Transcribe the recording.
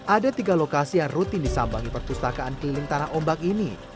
ada tiga lokasi yang rutin disambangi perpustakaan keliling tanah ombak ini